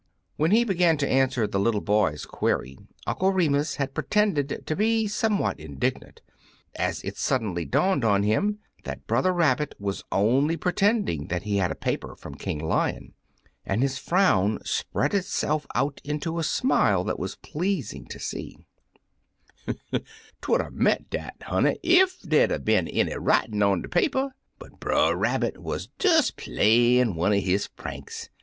When he began to answer the little bo^s query, 91. Uncle Remus Returns Uncle Remus had pretended to be some what indignant, but it suddenly dawned on him that Brother Rabbit was only pre tending that he had a paper from King Lion, and his frown spread itself out Into a smile that was pleasing to see, " Twould 'a' meant dat, honey, ef dey 'd 'a' been any writin' on de paper, but Brer Rabbit wuz des playin' one er his pranks.